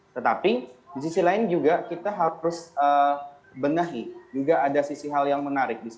tetapi di sisi lain juga kita harus benahi juga ada sisi hal yang menarik